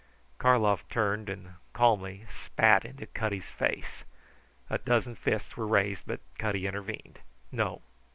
Karlov turned and calmly spat into Cutty's face. A dozen fists were raised, but Cutty intervened. "No!